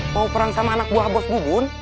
mau peran sama anak buah bos bubun